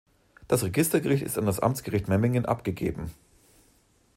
Das Registergericht ist an das Amtsgericht Memmingen abgegeben.